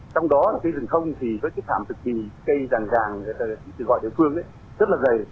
trong đó rừng không thì có cái thảm thực kỳ cây ràng ràng gọi đều phương rất là dày